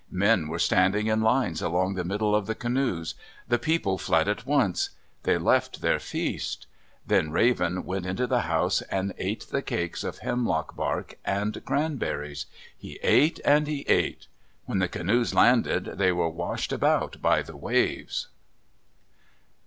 Men were standing in lines along the middle of the canoes. The people fled at once. They left their feast. Then Raven went into the house and ate the cakes of hemlock bark and cranberries. He ate and he ate! When the canoes landed they were washed about by the waves.